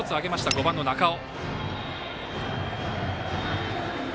５番の中尾。